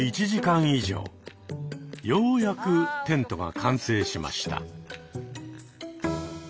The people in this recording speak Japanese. ようやくテントが完成しました。